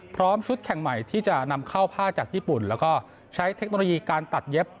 ชุดแข่งใหม่ที่จะนำเข้าผ้าจากญี่ปุ่นแล้วก็ใช้เทคโนโลยีการตัดเย็บ